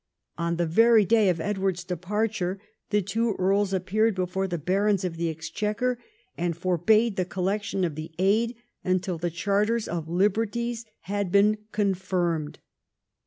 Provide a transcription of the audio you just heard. On the very day of Edward's departure, the two earls appeared before the Barons of the Exchequer and forbade the collec tion of the aid until the Charters of Liberties had been confirmed.